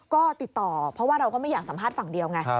ก็ติดต่อเพราะว่าเราก็ไม่อยากสัมภาษณ์ฝั่งเดียวไง